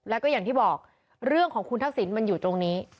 แล้วก็อย่างที่บอกเรื่องของคุณทักษิณมันอยู่ตรงนี้